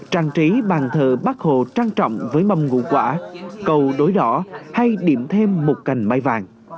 trang trí bàn thờ bác hồ trang trọng với mâm ngũ quả cầu đối đỏ hay điểm thêm một cành mai vàng